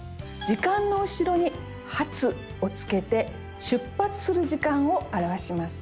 時間の後ろに「発」を付けて出発する時間を表します。